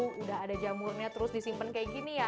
udah ada jamurnya terus disimpan kayak gini ya